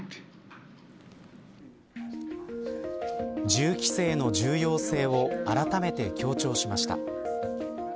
銃規制の重要性をあらためて強調しました。